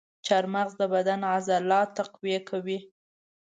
چارمغز د بدن عضلات تقویه کوي.